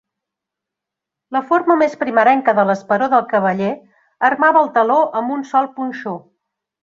La forma més primerenca de l'esperó de cavaller armava el taló amb un sol punxó.